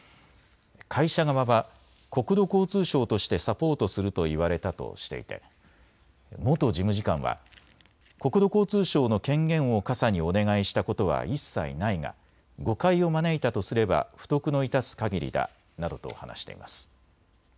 会社側は国土交通省としてサポートすると言われたとしていて元事務次官は国土交通省の権限をかさにお願いしたことは一切ないが誤解を招いたとすれば不徳の致すかぎりだなどと話しています。